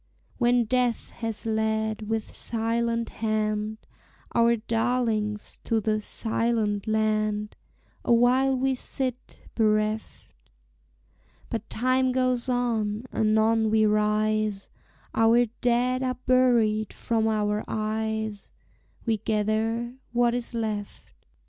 When death has led with silent hand Our darlings to the "Silent Land," Awhile we sit bereft; But time goes on; anon we rise, Our dead are buried from our eyes, We gather what is left.